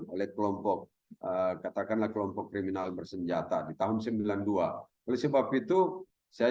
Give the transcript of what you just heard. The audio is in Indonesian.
oleh kelompok katakanlah kelompok kriminal bersenjata di tahun sembilan puluh dua oleh sebab itu saya